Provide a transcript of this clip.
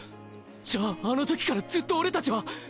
じゃああのときからずっと俺たちは。